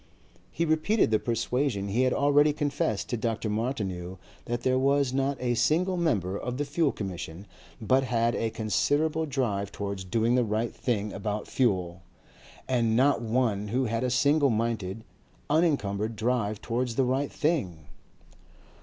He repeated the persuasion he had already confessed to Dr. Martineau that there was not a single member of the Fuel Commission but had a considerable drive towards doing the right thing about fuel, and not one who had a single minded, unencumbered drive towards the right thing.